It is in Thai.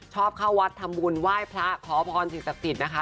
ชอบเข้าวัดทำบุญไหว้พระขอพรสิ่งศักดิ์สิทธิ์นะคะ